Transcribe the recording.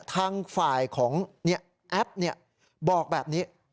ทางฝ่ายของแอปบอกแบบนี้